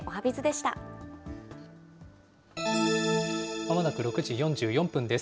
まもなく６時４４分です。